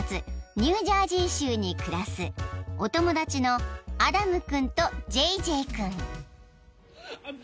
ニュージャージー州に暮らすお友達のアダム君とジェイジェイ君］